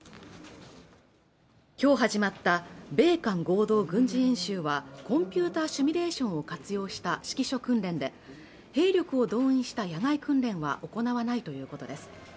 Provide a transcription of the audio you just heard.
今日始まった米韓合同軍事演習はコンピューターシミュレーションを活用した指揮所訓練で兵力を動員した野外訓練は行わないということです